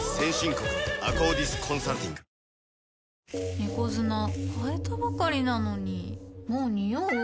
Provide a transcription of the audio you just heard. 猫砂替えたばかりなのにもうニオう？